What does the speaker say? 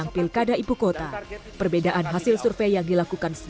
sementara itu ahok jarot berada di posisi terakhir dengan angka dua puluh lima delapan persen